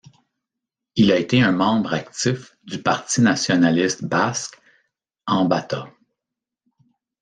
Il a été un membre actif du parti nationaliste basque Enbata.